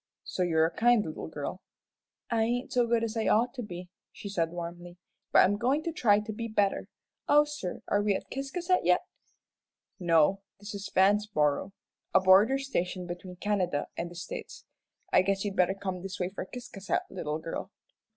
"So you're a kind little girl." "I ain't as good as I ought to be," she said, warmly; "but I'm goin' to try to be better. Oh, sir, are we at Ciscasset yet?" "No, this is Vanceboro, the border station between Canada and the States. I guess you'd better come this way for Ciscasset, little girl."